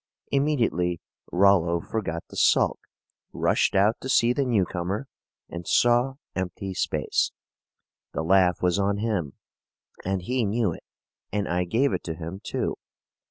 Immediately Rollo forgot to sulk, rushed out to see the newcomer, and saw empty space. The laugh was on him, and he knew it, and I gave it to him, too.